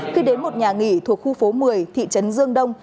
khi đến một nhà nghỉ thuộc khu phố một mươi thị trấn dương đông